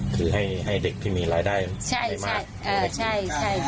คือให้เด็กที่มีรายได้ใช่